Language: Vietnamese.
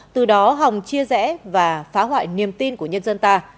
từ đó hòng chia rẽ và phá hoại niềm tin của nhân dân ta